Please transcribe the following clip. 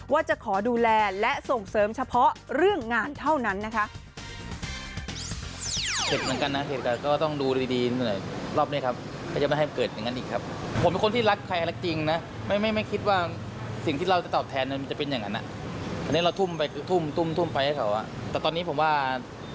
ว่าจะขอดูแลและส่งเสริมเฉพาะเรื่องงานเท่านั้นนะคะ